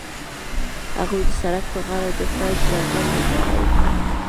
هغوی د سړک پر غاړه د خوږ ځنګل ننداره وکړه.